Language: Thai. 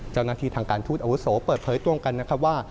เจ้านาธิทางการทูตอาวุศโหยังเปิดเผยตรงกันว่า